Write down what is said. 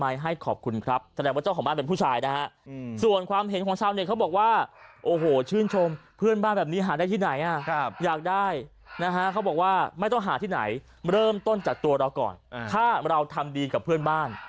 อยากได้นะฮะเขาบอกว่าไม่ต้องหาที่ไหนเริ่มต้นจากตัวแล้วก่อนถ้าเราทำดีกับเพื่อนบ้าน